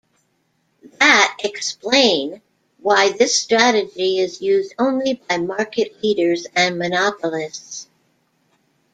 That explain why this strategy is used only by market leaders and monopolists.